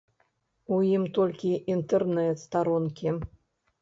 У ім толькі інтэрнэт-старонкі.